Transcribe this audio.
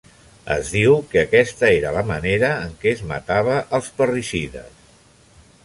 Es diu que aquesta era la manera en què es matava als parricides.